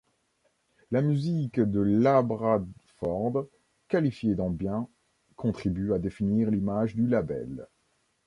La musique de Labradford, qualifiée d'ambient, contribue à définir l'image du label.